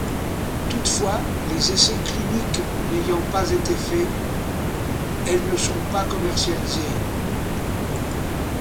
Toutefois, les essais cliniques n'ayant pas été faits, elles ne sont pas commercialisées.